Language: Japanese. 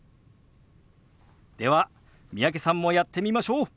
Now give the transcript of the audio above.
では三宅さんもやってみましょう。